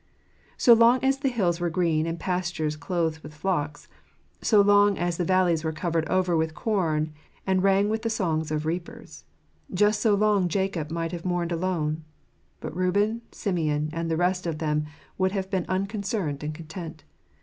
So long as the hills were green and the pastures clothed with flocks ; so long as the valleys were covered over with corn and rang with the songs of reapers — just so long Jacob might have mourned alone; but Reuben, Simeon, and the rest of them would have been unconcerned and content.